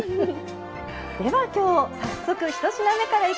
では今日早速１品目からいきましょう。